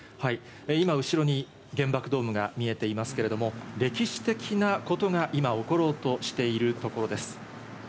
今、後ろに原爆ドームが見えていますけれども、歴史的なことが今、起ころうとしているところです。